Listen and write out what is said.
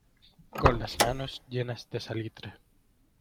con las manos llenas de salitre.